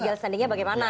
legal standingnya bagaimana